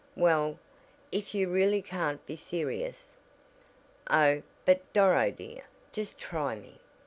"Well, if you really can't be serious "Oh, but, Doro dear, just try me.